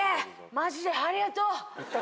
マジでありがとう。